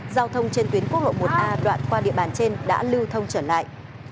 giao thông trên tuyến quốc lộ một a đoạn qua địa bàn trên đã lưu thông trở lại